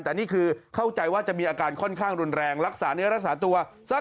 แต่นี่คือเข้าใจว่าจะมีอาการค่อนข้างรุนแรงรักษาเนื้อรักษาตัว